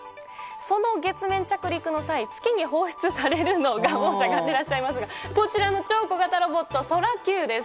その月面着陸の際、月に放出されるのが、もうしゃがんでらっしゃいますが、こちらの超小型ロボット、ソラキューです。